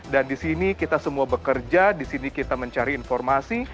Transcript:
dan di sini kita semua bekerja di sini kita mencari informasi